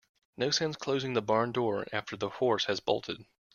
No sense closing the barn door after the horse has bolted.